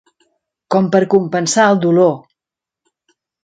Com per compensar el dolor.